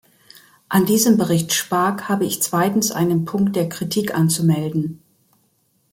An diesem Bericht Spaak habe ich zweitens einen Punkt der Kritik anzumelden.